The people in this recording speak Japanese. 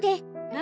何？